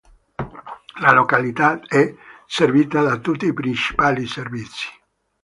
La località è servita da tutti i principali servizi.